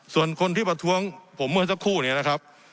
ส่วนคนที่ประท้วงผมเมื่อสักครู่เนี่ยนะครับ